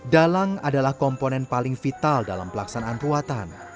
dalang adalah komponen paling vital dalam pelaksanaan ruatan